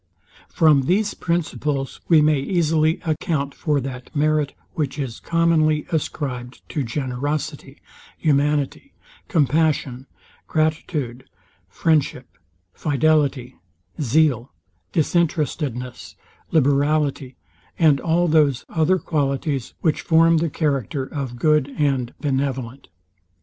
From these principles we may easily account for that merit, which is commonly ascribed to generosity, humanity, compassion, gratitude, friendship, fidelity, zeal, disinterestedness, liberality, and all those other qualities, which form the character of good and benevolent.